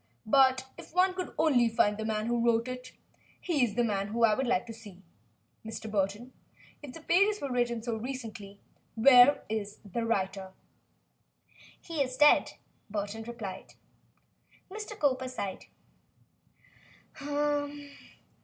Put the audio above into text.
But if one could only find the man who wrote it! He is the man I should like to see, Mr. Burton. If the pages were written so recently, where is the writer?" "He is dead," Burton replied. Mr. Cowper sighed.